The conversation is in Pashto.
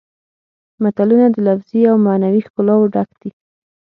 متلونه د لفظي او معنوي ښکلاوو ډک دي